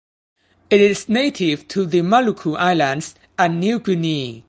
It is native to The Maluku Islands and New Guinea.